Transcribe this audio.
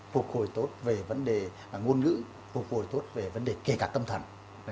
phục hồi tốt về vấn đề ngôn ngữ phục hồi tốt về vấn đề kể cả tâm thần